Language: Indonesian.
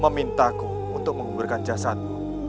memintaku untuk menguburkan jasadmu